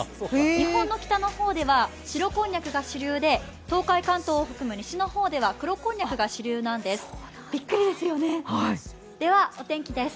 日本の北の方では白こんにゃくが主流で、東海・関東を含む西の方では黒こんにゃくが主流なんです。